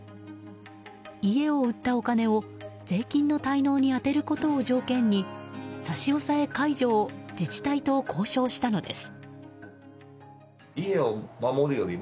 家を売ったお金を税金の滞納に充てることを条件に差し押さえ解除を自治体と交渉したのです。